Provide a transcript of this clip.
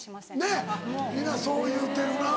ねっ皆そう言うてるな。